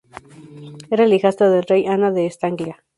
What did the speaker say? Era la hijastra del rey Anna de Estanglia.